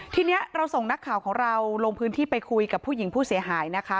ทีนี้เราส่งนักข่าวของเราลงพื้นที่ไปคุยกับผู้หญิงผู้เสียหายนะคะ